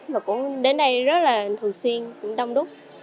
và cũng đến đây rất là thường xuyên cũng đông đúc